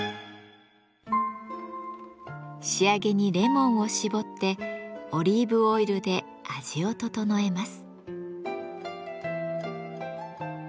仕上げにレモンをしぼってオリーブオイルで味を調えます。